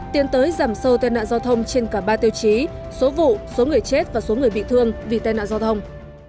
tiến tới giảm sâu tên nạn giao thông trên cả ba tiêu chí số vụ số người chết và số người bị thương vì tai nạn giao thông